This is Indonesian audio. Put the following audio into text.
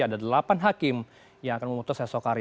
ada delapan hakim yang akan memutus esok hari